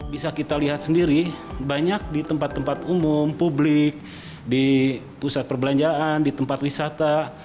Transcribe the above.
bisa kita lihat sendiri banyak di tempat tempat umum publik di pusat perbelanjaan di tempat wisata